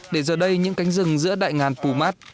để giờ đây những cánh rừng giữa đại ngàn pumat